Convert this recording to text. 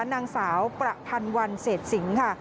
นางสาวประพันวันเศษสิงค่ะ